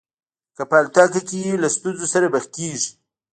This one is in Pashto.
که په الوتکه کې وي له ستونزو سره مخ کېږي.